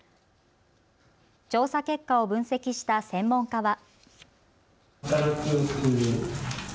調査結果を分析した専門家は。